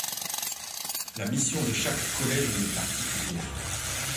La mission de chaque collège lui est particulière.